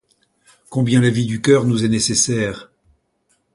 Combien la vie du cœur nous est nécessaire!